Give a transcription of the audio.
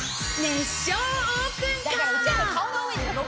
熱唱オープンカー。